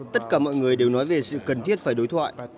tất cả mọi người đều nói về sự cần thiết phải đối thoại